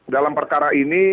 dalam perkara ini